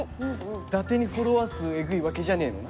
だてにフォロワー数エグいわけじゃねえのな。